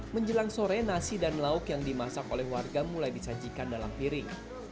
menjelang sore nasi dan lauk yang dimasak oleh warga mulai disajikan dalam piring